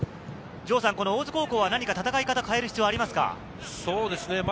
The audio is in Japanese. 大津高校は何か戦い方、変える必要がありますか？